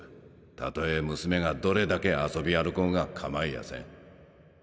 たとえ娘がどれだけ遊び歩こうがかまいやせん。